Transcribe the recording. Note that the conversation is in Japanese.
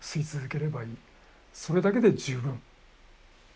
それだけで十分。